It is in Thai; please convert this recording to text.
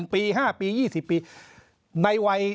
๑ปี๕ปี๒๐ปี